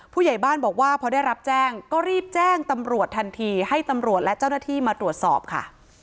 ผู้ใหญ่บ้านบอกว่าพอได้รับแจ้งก็รีบแจ้งตำรวจทันทีให้ตำรวจและเจ้าหน้าที่มาตรวจสอบค่ะ